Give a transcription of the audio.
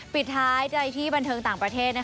ปิดท้ายใจที่บันเทิงต่างประเทศ